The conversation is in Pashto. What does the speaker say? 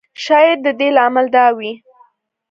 شاید د دې لامل دا وي.